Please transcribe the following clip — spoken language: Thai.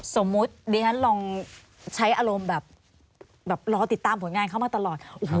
สมมุติดิฉันลองใช้อารมณ์แบบรอติดตามผลงานเข้ามาตลอด